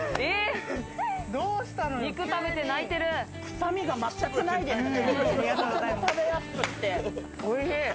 臭みが全くないですね。